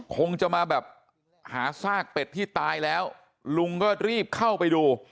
คงจะมาแบบหาซากเป็ดที่ตายแล้วลุงก็รีบเข้าไปดู